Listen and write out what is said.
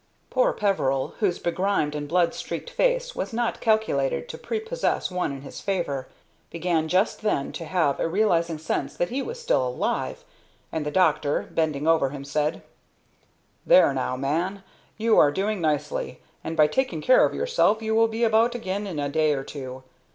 Poor Peveril, whose begrimed and blood streaked face was not calculated to prepossess one in his favor, began just then to have a realizing sense that he was still alive, and the doctor, bending over him, said: "There now, my man, you are doing nicely, and by taking care of yourself you will be about again in a day or two.